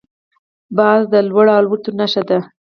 باز د لوړ الوت نښه ده